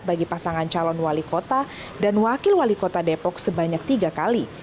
bagi pasangan calon wali kota dan wakil wali kota depok sebanyak tiga kali